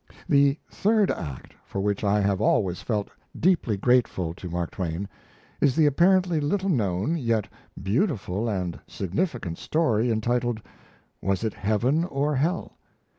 The third act for which I have always felt deeply grateful to Mark Twain is the apparently little known, yet beautiful and significant story entitled 'Was it Heaven or Hell?'